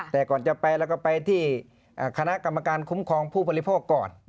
แต่ก่อนจะไปแล้วก็ไปที่คณะกรรมการคุ้มครองผู้บริโภคก่อน